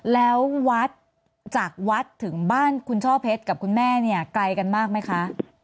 แล้ววัดจากวัดถึงบ้านคุณช่อเพชรกับคุณแม่เนี่ยไกลกันมากไหมคะ